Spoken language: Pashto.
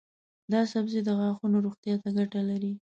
دا سبزی د غاښونو روغتیا ته ګټه لري.